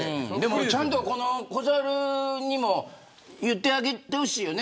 ちゃんと、この子ザルにも言ってあげてほしいよね。